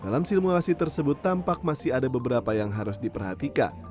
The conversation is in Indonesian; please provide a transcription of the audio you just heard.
dalam simulasi tersebut tampak masih ada beberapa yang harus diperhatikan